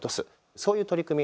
そういう取り組み